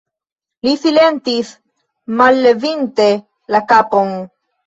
Li silentis, mallevinte la kapon.